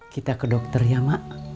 kita ke dokter ya mak